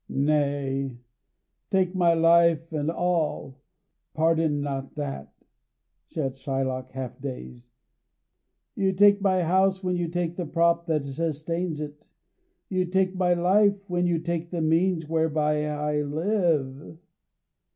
"Nay, take my life and all; pardon not that," said Shylock, half dazed. "You take my house when you take the prop that sustains it; you take my life when you take the means whereby I live."